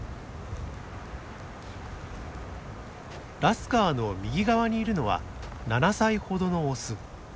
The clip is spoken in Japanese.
ラスカーの右側にいるのは７歳ほどのオス。